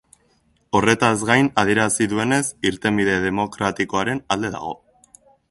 Horretaz gain, adierazi duenez, irtenbide demokratikoaren alde dago.